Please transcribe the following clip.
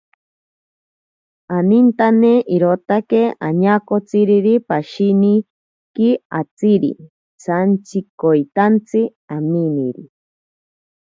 Anintante irotaki añakotsiriri pashiniki atziri santsikoitantsi aminiri.